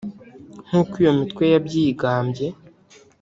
nk’uko iyo mitwe yabyigambye